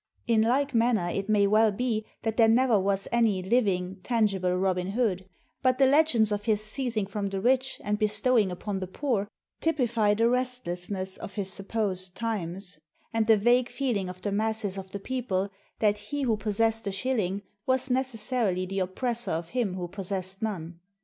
In like manner it may well be that there never was any living, tangible Robin Hood; but the legends of his seizing from the rich and bestowing upon the poor typify the restlessness of his supposed times, and the vague feeling of the masses of the people that he who xxix INTRODUCTION possessed a shilling was necessarily the oppressor of him who possessed none.